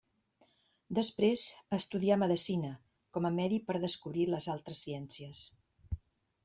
Després estudià medicina com a medi per descobrir les altres ciències.